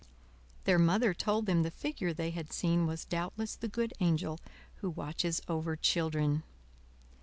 Their Mother told them the figure they had seen was doubtless the good angel who watches over children.